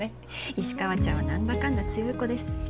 石川ちゃんは何だかんだ強い子です。